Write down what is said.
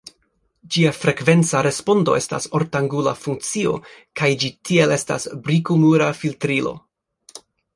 Ĝia frekvenca respondo estas ortangula funkcio, kaj ĝi tiel estas briko-mura filtrilo.